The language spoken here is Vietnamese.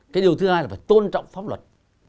cái điều thứ hai là phải tôn trọng pháp luật